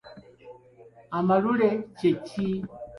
Amalule kye ki?